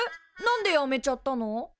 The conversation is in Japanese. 何でやめちゃったの？